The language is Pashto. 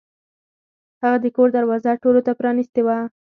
هغه د کور دروازه ټولو ته پرانیستې وه.